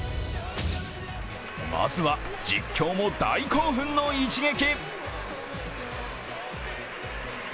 まずは実況も大興奮の一撃。